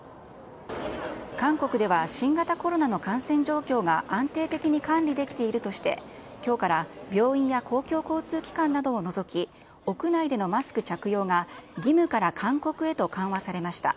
韓国では、新型コロナの感染状況が安定的に管理できているとして、きょうから病院や公共交通機関などを除き、屋内でのマスク着用が義務から勧告へと緩和されました。